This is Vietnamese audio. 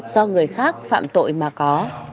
do người khác phạm tội mà có